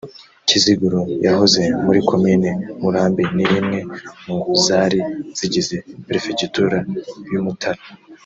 Kiziguro yahoze muri Komini Murambi ni imwe mu zari zigize Perefegitura y’Umutara